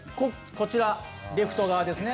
こちら、レフト側ですね。